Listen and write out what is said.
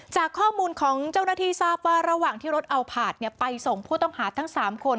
จากข้อมูลของเจ้าหน้าที่ทราบว่าระหว่างที่รถเอาผาดไปส่งผู้ต้องหาทั้ง๓คน